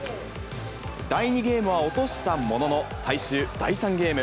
第２ゲームは落としたものの、最終第３ゲーム。